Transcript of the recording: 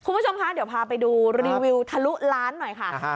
คุณผู้ชมคะเดี๋ยวพาไปดูรีวิวทะลุล้านหน่อยค่ะ